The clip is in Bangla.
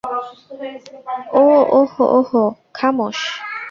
ও, ওহো, ওহো, খামোশ!